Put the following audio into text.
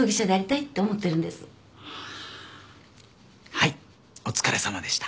はいお疲れさまでした。